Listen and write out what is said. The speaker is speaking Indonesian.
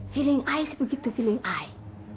feeling i sebegitu feeling i